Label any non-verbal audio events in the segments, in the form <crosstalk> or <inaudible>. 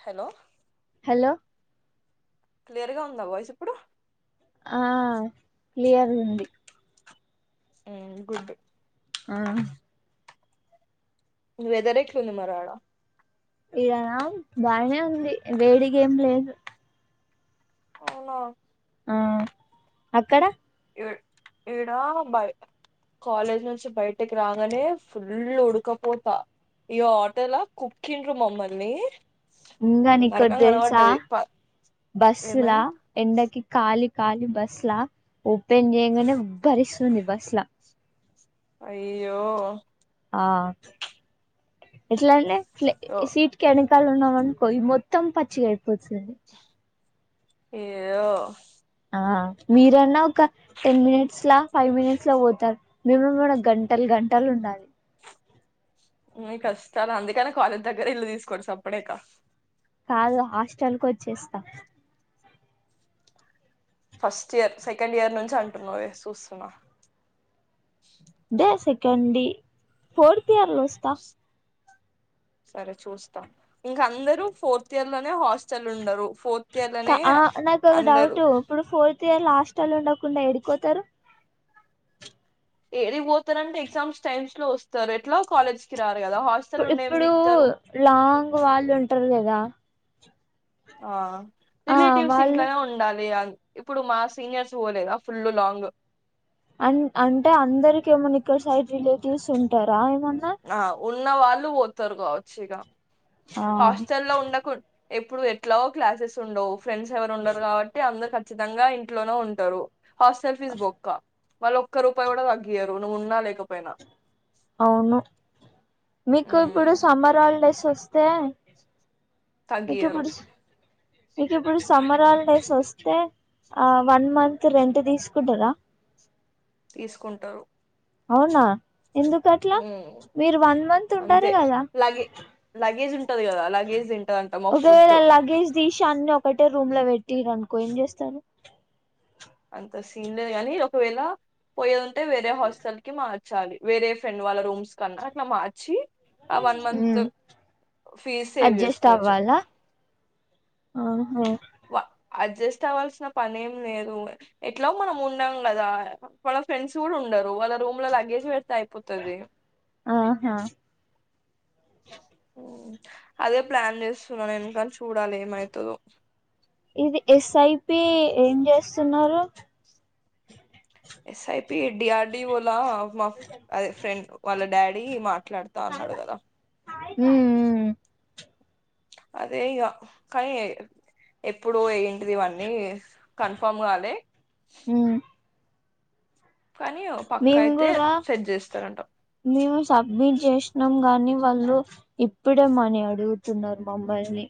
Hello hello clear గా ఉందా voice ఇప్పుడు ఆ క్లియర్ గుంది. ఊమ్ గుడ్ వెదర్ ఎట్లుంది మరి ఆడ ఈడనా బానే ఉంది వేడిగేం లేదు అవునా ఆ అక్కడ ఏ ఏడా బై కాలేజ్ నుంచి బయటికి రాగానే ఫుల్ ఉడకపోత ఇగ ఆటోల కుక్కిండ్రు మమ్మల్ని ఇంగా నీకోటి నరకం తెలుసా కనబడ్డది ప బస్సుల ఏమన్ ఎండకి కాలి ఖాళీ బస్ లా ఓపెన్ చేయంగానే ఉబ్బదిస్తుంది ఉబ్బదిస్తుంది బస్ లా అయ్యో ఆ ఓ క్కళ్ళు ఉన్నాం అనుకో ఇది మొత్తం పచ్చిగా అయిపోతుంది ఏదో మీరన్న ఒక టెన్ మినిట్స్ లా ఫైవ్ మినిట్స్ లో పోతారు మేమేమన్నా గం టలు గంటలు ఉండాలి. ఉమ్ ఈ కష్టాలు అందుకనే కాలేజ్ దగ్గర ఇల్లు తీసుకోండి సప్పుడేక కాదు హాస్టల్ కొచ్చేస్తా ఫస్ట్ ఇయర్ సెకండ్ ఇయర్ నుంచి అంటున్నావే సూస్తున్నా. ద సెకండి ఫోర్త్ ఇయర్ లో వస్తా. సరే చూస్తా ఇంక అందరు ఫోర్త్ ఇయర్ లోనే హాస్టల్ ఉండరు. ఫోర్త్ ఇయర్ కా లోనే ఆ నాకు ఒక అందరు డౌట్ ఇప్పుడు ఫోర్త్ ఇయర్ లాస్ స్టల్లో ఉండకుండా ఏడికిపోతారు. ఏడికి పోతారంటే ఎగ్జామ్స్ టైమ్స్ లో వస్తారు ఎట్లా కాలేజ్ కి రార్ ఇప్పుడు లాంగ్ వాళ్ళు ఉంటారు కదా. ఆ ఆ రిలేటివ్స్ వాళ్ళు ఇంట్లోనే ఉండాలి ఆల్ ఇప్పుడు మా సీనియర్స్ పోలేదా ఫుల్లు లాంగ్ అన్ అంటే అందరికి ఏమన్నా ఇక్కడ సైడ్ రిలేటివ్స్ ఉంటారా ఏమన్నా. ఆ ఉన్న వాళ్ళు పోతారు కావచ్చు ఇగా ఆ హాస్టల్ లో ఉండకు ఎప్పుడు ఎట్లాగో క్లాసెస్ ఉండవు ఫ్రెండ్స్ ఎవరు ఉండరు కాబట్టి అందరు ఖచ్చితంగా ఇంట్లోనే ఉంటారు. హాస్టల్ ఫీజ్ బొక్క వాళ్ళు ఒక్క రూపాయి కూడా తగ్గియ్యరు నువ్వు ఉన్నా లేకపోయినా అవును మీకు ఇప్పుడు ఉమ్, సమ్మర్ హాలిడేస్ వస్తే మీకు తగ్గియ్యరు ఇప్పుడు మీకు ఇప్పుడు సమ్మర్ హాలిడేస్ వస్తే ఆ వన్ మంత్ రెంట్ తీసుకుంటారా? తీసుకుంటారు. అవునా ఎందుకట్లా ఉమ్. మీరు వన్ మంత్ అంతే ఉండరు గదా. లగే లగేజ్ ఉంటది కదా లగేజ్ తింటదంట మా ఫుడ్ ఒకవేళ లగేజ్ తీసి అన్ని ఒకట్ టే రూమ్ లో పెట్టిర్రనుకో ఏం చేస్తారు? అంత సీన్ లేదు గానీ ఒకవేళ పోయేదుంటే వేరే హాస్టల్ కి మార్చాలి వేరే ఫ్రెండ్ వాళ్ళ రూమ్స్ కన్నా అట్లా మార్చి. ఆ one month um fees save చేసుకోవచ్చు. ఆహ వా అడ్జస్ట్ అవ్వాల్సిన పని ఏం లేదు ఎట్లా మనం ఉండం గదా వాళ్న ఫ్రెండ్స్ కూడా ఉన్ ఉండరు వాళ్ళ రూమ్ లో లగేజ్ పెడితే అయిపోతది. ఆహా ఉమ్ అదే ప్లాన్ జేస్తున్నా నేను గాని చూడాలి ఏమైతదో ఇది ఎస్ఐపి ఏం జేస్తున్నరు ఎస్ఐపి డిఆర్డీ ఓలు లా మా అదే ఫ్రెండ్ వాళ్ళ డాడీ మాట్లాడతా ఉన్నాడు గదా ఉమ్ ఉమ్ అదే ఇగ కానీ ఎప్పుడో ఏంటిది ఇవన్నీ కన్ఫామ్ గాలే ఉమ్ కాని ఒక పక్కా మేము అయితే కూడా సెట్ జేస్తారంటాం మేము సబ్మిట్ జేసినాం గానీ వాళ్ళు ఇప్పుడేమనీ అడుగుతున్నారు మమ్ముల్ని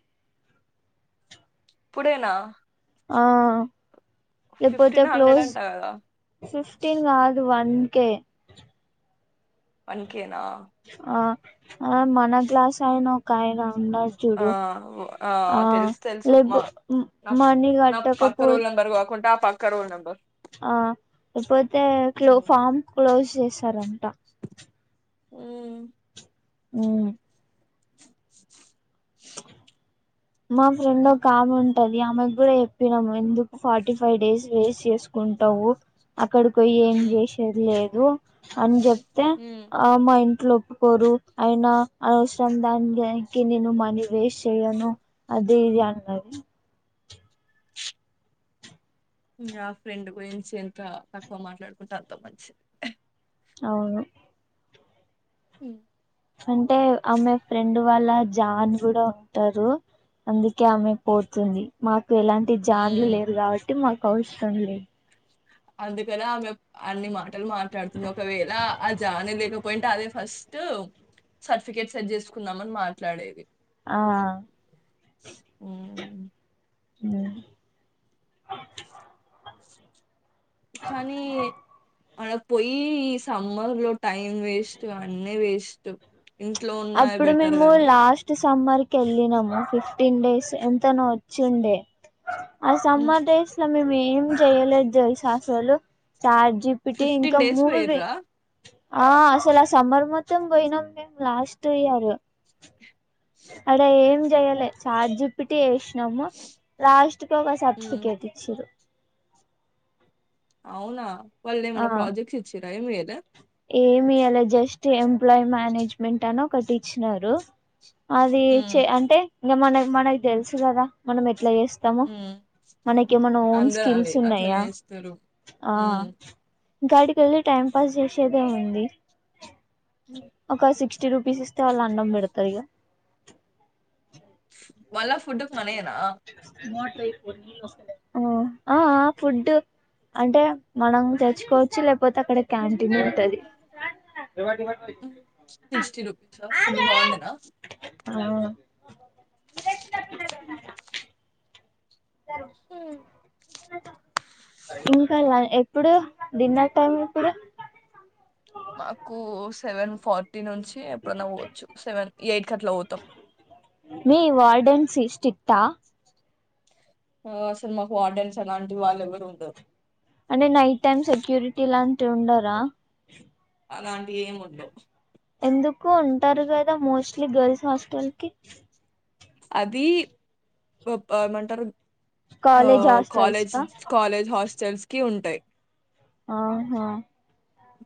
ఇప్పుడేనా ఆ లేకపోతే ఫిఫ్టీన్ హండ్రెడ్ క్లోజ్ అంట కదా ఫిఫ్టీన్ గాదు వన్ కే వన్ కే నా ఆ ఆ మనక్లాస్ ఆయన ఒకాయనా ఉన్నాడు ఆ చూడు ఆ తెలుసు తెలుసు మా లేపు మనీ కట్టకపో <unintelligible> గాకుంట ఆ పక్క రూల్ నెంబర్ ఆ ఇప్పుడైతే క్లో ఉమ్, ఫామ్ క్లోజ్ జేసారంట ఉమ్ ఉమ్ <inaudible> మా ఫ్రెండ్ ఒక ఉమ్, కామే ఉంటది ఆమెకు గూడా జెప్పినాం ఎందుకు ఫార్టీ ఫైవ్ డేస్ వేస్ట్ జేసుకుంటవు అక్కడికి బోయి ఏం ఉమ్, జేసేది లేదు అని జేప్తే ఉమ్. ఆ అమ్మాయి అట్లు ఒప్పుకోరు అయినా అనవసరం దానికి నేను మనీ వేస్ట్ చేయను అది ఇది అన్నది ఇగ ఆ ఫ్రెండ్ గురించి ఎంత తక్కువ మాట్లాడుకుంటే అంత మంచిది అవును ఉమ్ అంటే ఆమె ఫ్రెండ్ వాళ్ళ జాన్ గూడా ఉంటరు అందుకే ఆమె పోతుంది మాక్ ఎలాంటి జాన్లు ఉమ్. లేరు గాబట్టి మాకు అవసరం లేదు అందుకని ఆమె అన్ని మాటలు మాట్లాడుతుంది ఒకవేళ ఆ జానే లేకపోయింటే అదే ఫస్ట్ ఫస్ట్ సర్టిఫికేట్ సెట్ జేసుకుందాం అని మాట్లాడేది ఆ ఉమ్ ఉమ్ కానీ ఆడ పోయి సమ్మర్ లో టైం వేస్ట్ అన్నీ వేస్ట్ ఇంట్లో ఉన్నాయే అప్పుడు బెటర్ మేము గాని. లాస్ట్ సమ్మర్కి యెళ్ళినము ఫిఫ్టీన్ డేస్ ఎంతనో వచ్చిండే ఆ హ్మ్. సమ్మర్ డేస్ లో మేము ఏం జేయలేదు దెలుసా అసలు చాట్ జీపిటి ఇంకా డేస్ మూవే పోయిర్రా? ఆ అసలు ఆ సమ్మర్ మొత్తం బోయినాం మేము లాస్ట్ ఇయరు ఆడ ఏం జేయలే చాట్ జీపిటి జేస్ నము లాస్ట్ కి ఒక హ్మ్. సర్టిఫికేట్ ఇచ్చిరు అవునా వాళ్ళు ఏమైనా ప్రాజెక్ట్స్ ఇచ్చిరా ఏమి ఇయ్యలే ఏమ్ ఇయ్యలే జస్ట్ ఎంప్లాయ్ మానేజ్మెంట్ అని ఒకటి ఇచ్చినరు అది చే హ్మ్. అంటే ఇంగా మనకి మనకి దెలుసు గదా మనం ఎట్లా జేస్త స్తము హ్మ్. హ్మ్. మనకేమన్నా ఓన్ అందరూ స్కిల్స్ అవే అట్లనే ఉన్నయా చేస్తారు. ఆ హ్మ్. గాడికి కేళ్ళి టైం పాస్ చేసేదే ఉంది ఒక సిక్స్ ఫిఫ్టీ రుపీస్ ఇస్తే వాళ్ళ అన్నం పెడతారు ఇక మల్ల ఫుడ్ కి మనయేనా. ఆ ఆ ఫుడ్ అంటే మనం తేచ్చుకోవచ్చు లేకపోతే అక్కడ క్యాంటీన్యూ ఉంటది. సిక్స్టీ రూపీసా ఫుడ్ బాగుండేనా ఆ హ్మ్ ఇంకా ఎప్పుడు డిన్నర్ టైం ఎప్పుడు. మాకు సెవెన్ ఫార్టీ నుంచి ఎప్పుడన్నా పోవచ్చు సెవెన్ ఎయిట్ కట్లా పోతాం సిక్స్టీ ఇత ఆ అసలు మాకు ఆర్డెన్స్ అలాంటి వాళ్ళు ఎవరు ఉండరు. అంటే నైట్ టైమ్ సెక్యూరిటీ లాంటి ఉండరా అలాంటివి ఎం ఉండవు. ఎందుకు ఉంటరు కదా మోస్ట్లీ గర్ల్స్ హాస్టల్ కి అది ఏమంటారు. ఆ కాలేజ్ హాస్టల్స్ కాలేజ్ కా కాలేజ్ హాస్టల్స్ కి ఉంటాయి. ఆహా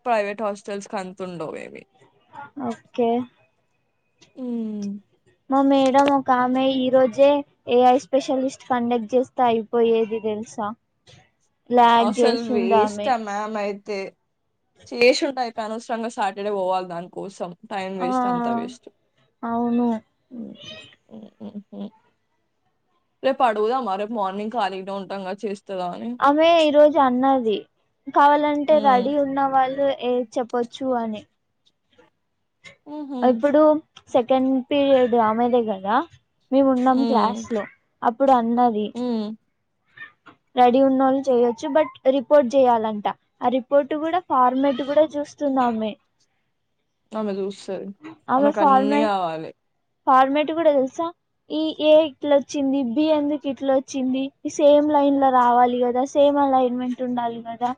ప్రైవేట్ హాస్టల్స్ అంత ఉండవు ఏమి ఓకే మ్మ్ మా మేడం ఒకామె ఈ రోజే ఏఐ స్పెషలిస్ట్ కండక్ట్ చేస్తే అయిపోయేది తెలు సా ఆసలు వేస్ట్ ఆ మ్యామ్ అయి తే చేసి ఉంటె అయిపై అనవసరంగా సాటర్డే పోవాలి దానికి కోసం టైం ఆ వేస్ట్ అంత వేస్ట్ అవును హ్మ్. రేపు అడుగుదామా రేపు మార్నింగ్ ఖాళీగనే ఉంటాం కదా చేస్తదా అని. ఆమె ఈరోజు అన్నది కావాలంటే హ్మ్. రెడీ ఉన్న వాళ్ళు ఏ చే పచ్చు అని హుహు. ఎప్పుడు సెకండ్ పీరియడ్ ఆమెదే కదా మేము ఉన్నాం క్లాస్ హ్మ్. లో అప్పుడు అన్నది. హ్మ్. రెడీ ఉన్నోళ్ళు చేయొచ్చు బట్ రిపోర్ట్ చేయాలంట ఆ రిపోర్ట్ గుడా ఫార్మెట్ గుడా చూస్తుదామే. ఆమె చూస్తది ఆమెకన్నీ కావాలి. ఫార్మట్ కూడా తెలుసా ఈ ఏ ఇట్లొచ్చింది బి ఎందుకు ఇట్ల వచ్చింది సేమ్ లైన్ లో రావాలి కదా సేమ్ అలైన్మెంట్ ఉండాలి కదా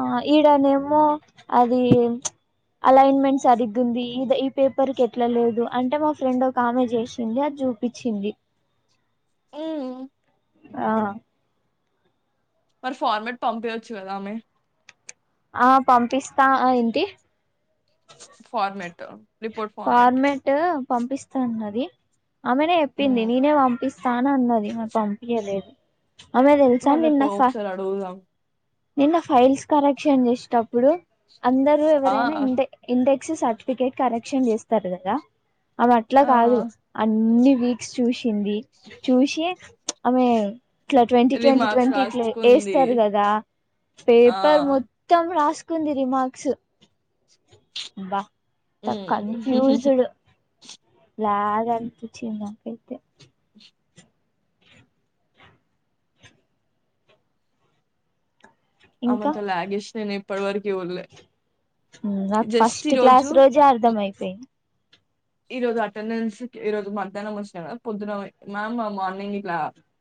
ఆ ఈడనేమో అది అలైన్మెంట్స్ సరిగుంది ఇ ఈ పేపర్ కెట్లా లేదు అంటే మా ఫ్రెండ్ ఒక ఆమె చేసింది అది చూపించింది. మ్మ్ ఆ మరి ఫార్మెట్ పంపయచ్చు కదా ఆమె ఆ పంపిస్తా ఆ ఏంటి ఫార్మట్ రిపోర్ట్ ఫార్మట్ పంపిస్తాన్నది ఆమెనే చెప్పింది హ్మ్. నేనే పంపిస్త స్టా అన్నది మారి పంపింయలేదు ఆమె తెలుసా మరి రేపు నిన్న ఒకసారి అడుగుదాం. నిన్న ఫైల్స్ కరెక్షన్ చేసేటప్పుడు అందరూ ఆ! ఎవరైనా ఇంతే సర్టిఫికెట్ కరెక్షన్ చేస్తారు కదా అవి అట్లా ఆ! కాదు అన్ని గ్రీక్స్ చూసింది చూసే ఆమె ఇట్లా ట్వంటీ ట్వంటీ రిమార్క్స్ ట్వంటీ ఇట్లా రాసుకుంది. ఏస్తారు కదా ఆ! పేపర్ మొత్తం రాసు కుందిరి రిమార్క్స్ బా అంత హ్మ్. కన్ఫ్యూస్డ్ ల్యాగ్ అనిపించింది నాకైతే ఇంకా ఆమంత లాగేష్ నేను ఇప్పటి వరకి చూడ్లే నాకు ఫస్ట్ క్లాస్ రోజే అర్థం అయిపోయింది ఈ రోజు అటెండెన్స్ ఈ రోజు మధ్యాహ్నం వచ్చినాడ కదా పొద్దున మ్యామ్ మార్నింగ్ ఇట్లా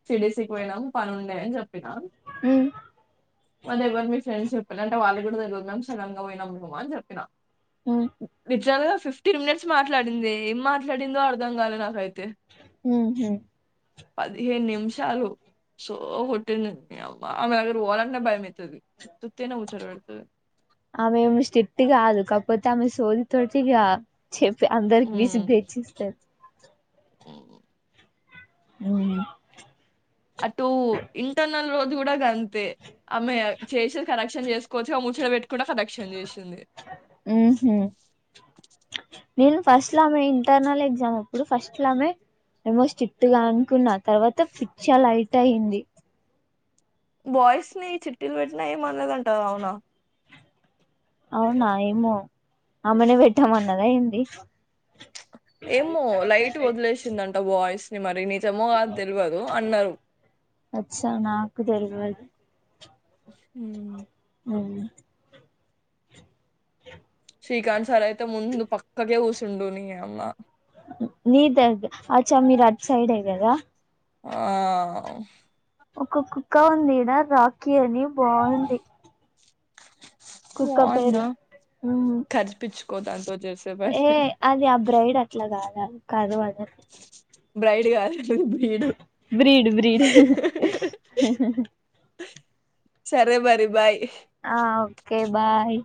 సిఎస్ఇ కి పోయినాం పని ఉండే అని చెప్పినా ఉమ్ మల్లెవరు మీ ఫ్రెండ్స్ ఎలంటే వాళ్ళు కూడా తెలవదు మ్యామ్ సడన్ గా పోయినాం అని చెప్పిన హ్మ్ నిజంగా ఫిఫ్టీన్ మినిట్స్ మాట్లాడింది ఏం మాట్లాడిందో అర్థం కాలేదు నాకైతే హ్మ్ హ్మ్మ్ పదిహేను నిమిషాలు సో కొట్టింది అబ్బా ఆమె దగ్గర పోవాలంటే భయం మైతది ఆమెమి స్ట్రిక్ట్ కాదు కాకపోతే ఆమె ట్వెల్వ్ థర్టీ కి చెప్పి అందరికి ఉమ్, విసిగితేచ్చేస్తది ఉమ్. హ్మ్మ్ అ రోజు గుడా గంతే ఆమె చేసి కరెక్షన్ చేసుకోవచ్చు ముచ్చట పెట్ కూడ కరెక్షన్ చేసింది ఉమ్ హు నేను ఫస్ట్ లా ఆమె ఇంటర్నల్ ఎగ్జామ్ అప్పుడు ఫస్ట్ ల అమె ఏమో స్ట్రిక్ట్ గా అనుకున్నా తర్వాత పిచ్చ లైట్ అయింది బాయ్స్ ని చిట్టిలు పెట్టినా ఏమ్ అనదంటా అవునా అవునా ఏమో అమేనే పెట్టామన్నదా ఏంటి ఏమో లైట్ వదిలేసిందంట బాయ్స్ ని మరి నీ జెమో కాదో తెల్వదు అన్నరు అచ్చా నాకు తెల్వదు హ్మ అవును శ్రీకాంత్ సార్ అయితే ముందు పక్కకే కూసుండు నీయమ్మ నీదగ ఆచ మీర్ అటు సైడే గదా ఆ ఒక కుక్క ఉందిడా రాఖీ అని బాంది బాంధ మ్మ్ కరిపించుకో దంతోని ఏ అది ఆ బ్రైడ్ అట్లా కాదా కర్వద బ్రైడ్ కాదు అది బ్రీడు బ్రీడ్ బ్రీడ్ సరే మరి బాయ్ కే బాయ్